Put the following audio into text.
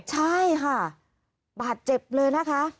ใช่ค่ะบาดเจ็บเลยนะคะ